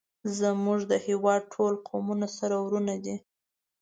زمونږ د هیواد ټول قومونه سره ورونه دی